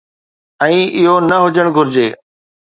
۽ اهو نه هجڻ گهرجي.